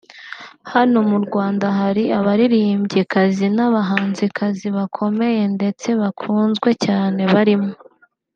Hano mu Rwanda hari abaririmbyikazi n'abahanzikazi bakomeye ndetse bakunzwe cyane barimo